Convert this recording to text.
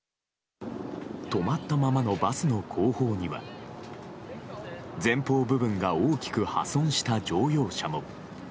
止まったままのバスの後方には前方部分が大きく破損した乗用車も。